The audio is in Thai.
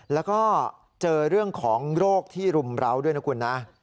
แล้วก็เจอเรื่องของโรคที่รุมร้าวด้วยนะคุณนะ